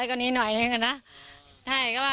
แล้วอันนี้ก็เปิดแล้ว